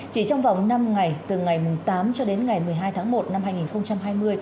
chỉ trong vòng năm ngày từ ngày tám cho đến ngày một mươi hai tháng một năm hai nghìn hai mươi